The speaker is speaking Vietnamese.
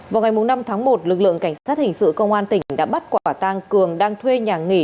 vào ngày năm tháng một lực lượng cảnh sát hình sự công an tỉnh đã bắt quả tang cường đang thuê nhà nghỉ